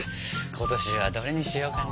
今年はどれにしようかな？